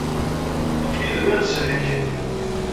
Nekk yid-m ad neslek.